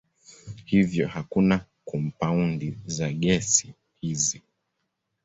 Hivyo hakuna kampaundi za gesi hizi.